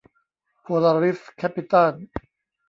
โพลาริส แคปปิตัล